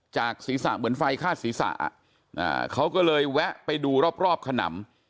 ศีรษะเหมือนไฟคาดศีรษะเขาก็เลยแวะไปดูรอบขนำ